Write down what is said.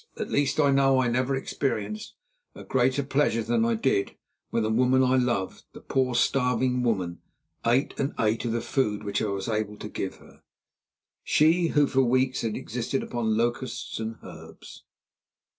At least, I know I never experienced a greater pleasure than I did, when the woman I loved, the poor, starving woman, ate and ate of the food which I was able to give her—she who for weeks had existed upon locusts and herbs.